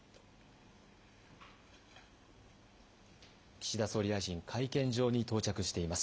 岸田総理大臣、会見場に到着しています。